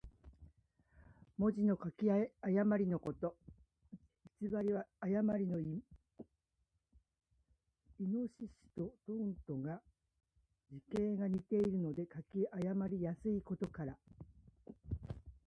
文字の書き誤りのこと。「譌」は誤りの意。「亥」と「豕」とが、字形が似ているので書き誤りやすいことから。